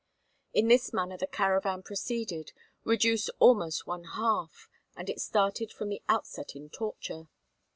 In this manner the caravan proceeded, reduced almost one half, and it started from the outset in torture.